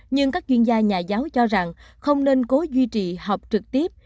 nhưng các chuyên gia nhà giáo cho rằng không nên cố duy trì học trực tiếp